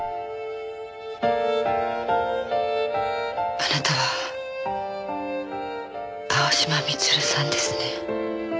あなたは青嶋光留さんですね。